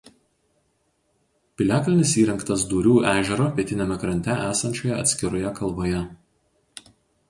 Piliakalnis įrengtas Dūrių ežero pietiniame krante esančioje atskiroje kalvoje.